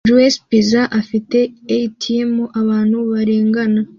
Joe's Pizza afite ATM abantu barengana